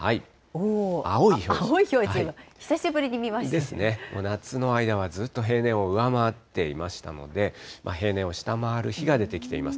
青い表示が、久しぶりに見まですね、夏の間はずっと平年を上回っていましたので、平年を下回る日が出てきています。